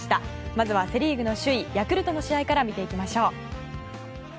まずはセ・リーグ首位ヤクルトの試合から見ていきましょう。